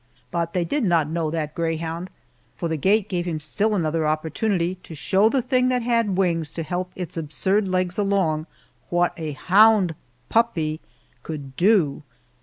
But they did not know that greyhound, for the gate gave him still another opportunity to show the thing that had wings to help its absurd legs along what a hound puppy could do.